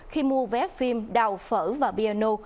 khi mua vé phim đào phở và piano